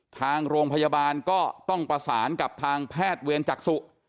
ทางโรงพยาบาลก็ต้องประสานกับทางแพทย์เวรจักษุ